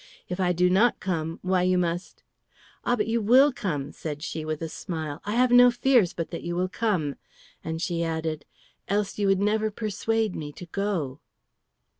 If I do not come, why, you must " "Ah, but you will come," said she, with a smile. "I have no fears but that you will come;" and she added, "Else would you never persuade me to go."